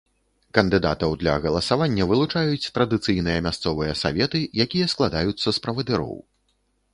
Кандыдатаў для галасавання вылучаюць традыцыйныя мясцовыя саветы, якія складаюцца з правадыроў.